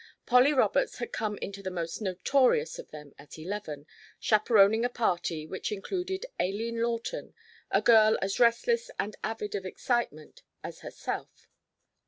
Polly Roberts had come into the most notorious of them at eleven, chaperoning a party, which included Aileen Lawton, a girl as restless and avid of excitement as herself.